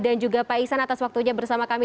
dan juga pak isan atas waktunya bersama kami